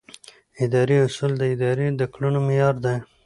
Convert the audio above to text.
اداري اصول د ادارې د کړنو معیار دي.